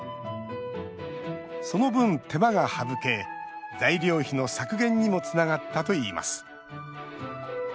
その分、手間が省け材料費の削減にもつながったといいます。